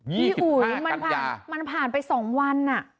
ยี่สิบห้ากันยามันผ่านมันผ่านไปสองวันอ่ะ